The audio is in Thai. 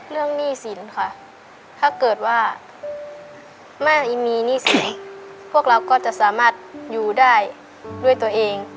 หนี้สินค่ะถ้าเกิดว่าแม่มีนิสัยพวกเราก็จะสามารถอยู่ได้ด้วยตัวเอง